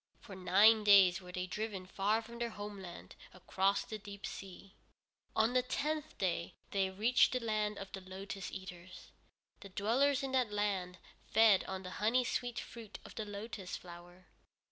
For nine days were they driven far from their homeland, across the deep sea. On the tenth day they reached the Land of the Lotus Eaters. The dwellers in that land fed on the honey sweet fruit of the lotus flower.